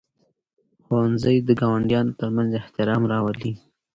ښوونځي د ګاونډیانو ترمنځ احترام راولي.